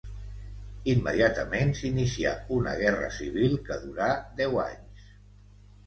Immediatament s'inicià una guerra civil que durà deu anys.